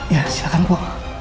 ya silahkan bu